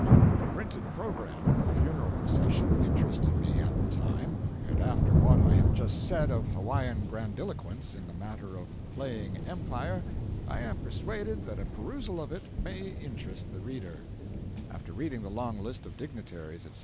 The printed programme of the funeral procession interested me at the time; and after what I have just said of Hawaiian grandiloquence in the matter of "playing empire," I am persuaded that a perusal of it may interest the reader: After reading the long list of dignitaries, etc.